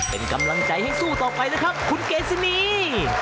เป็นกำลังใจให้สู้ต่อไปนะครับคุณเกซินี